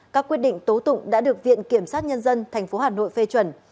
các quyết định tố tụng đã được viện kiểm sát nhân dân tp hà nội phê chuẩn